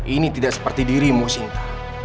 ini tidak seperti dirimu sinta